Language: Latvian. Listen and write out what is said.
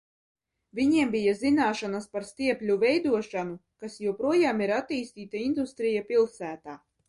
Viņiem bija zināšanas par stiepļu veidošanu, kas joprojām ir attīstīta industrija pilsētā.